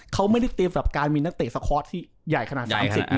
เขาไม่ได้เตรียมกับการมีนักเตะสคอร์สที่ใหญ่ขนาด๓๐